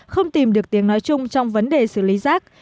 không tìm được tiếng nói chung trong vấn đề xử lý rác